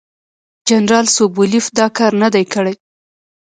جنرال سوبولیف دا کار نه دی کړی.